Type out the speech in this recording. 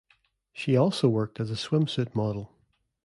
She also worked as a swimsuit model.